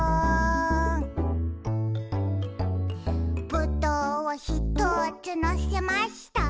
「ぶどうをひとつのせました」